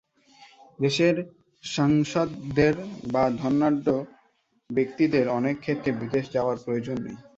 দেশের সাংসদদের বা ধনাঢ্য ব্যক্তিদের অনেক ক্ষেত্রে বিদেশ যাওয়ার প্রয়োজন নেই।